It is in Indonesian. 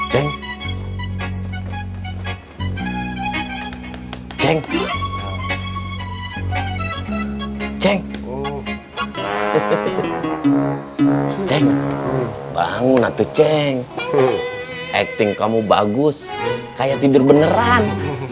ceng cengk ceng ceng bangun atau ceng acting kamu bagus kayak tidur beneran